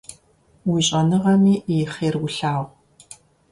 Уи щӏэныгъэми и хъер улъагъу!